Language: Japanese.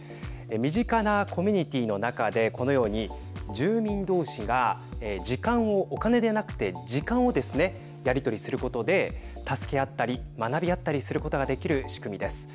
身近なコミュニティーの中でこのように住民どうしが時間をお金でなくて時間をですねやり取りすることで助け合ったり学び合ったりすることができる仕組みです。